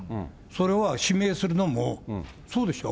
それは指名するのも、そうでしょう。